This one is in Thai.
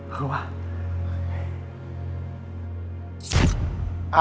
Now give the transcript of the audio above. พูดว่ะ